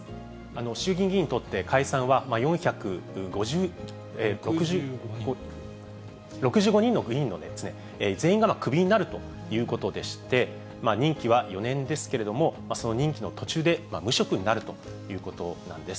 衆議院議員にとって、解散は４６５人の議員の全員がクビになるということでして、任期は４年ですけれども、その任期の途中で無職になるということなんです。